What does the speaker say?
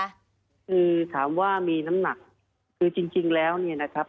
คือถามว่ามีน้ำหนักคือจริงแล้วเนี่ยนะครับ